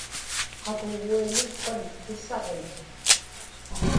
qakuguiḷikpan pisaġiñ